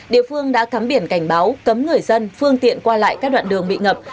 địa phương đã cắm biển cảnh báo cấm người dân phương tiện qua lại các đoạn đường bị ngập